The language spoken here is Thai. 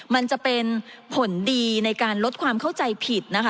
มันจะเป็นผลดีในการลดความเข้าใจผิดนะคะ